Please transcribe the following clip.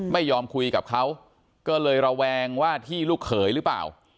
ไม่ยอมคุยกับเขาก็เลยระแวงว่าที่ลูกเขยหรือเปล่า